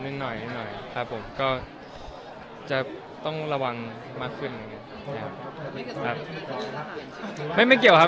หน่อยหน่อยครับผมก็จะต้องระวังมากขึ้นครับไม่ไม่เกี่ยวครับ